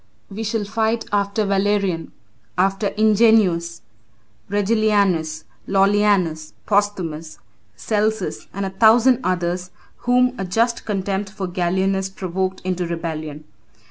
We shall fight after Valerian, after Ingenuus, Regillianus, Lollianus, Posthumus, Celsus, and a thousand others, whom a just contempt for Gallienus provoked into rebellion.